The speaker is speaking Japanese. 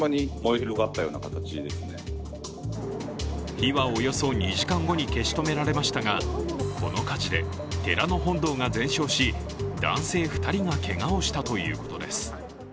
火はおよそ２時間後に消し止められましたが、この火事で寺の本堂が全焼し男性２人がけがをしたということです。